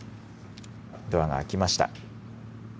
ドアが開きました。